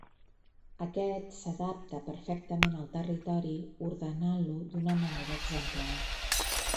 Aquest s'adapta perfectament al territori ordenant-lo d'una manera exemplar.